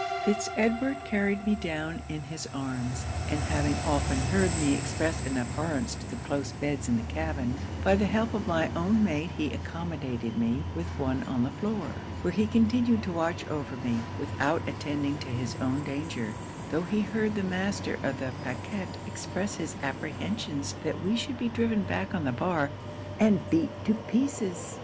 Fitz Edward carried me down in his arms; and having often heard me express an abhorrence to the close beds in the cabin, by the help of my own maid he accommodated me with one on the floor; where he continued to watch over me, without attending to his own danger, tho' he heard the master of the pacquet express his apprehensions that we should be driven back on the bar, and beat to pieces.